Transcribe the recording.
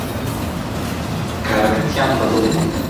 کارەکەتیان بەدڵ بوو